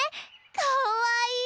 かわいい！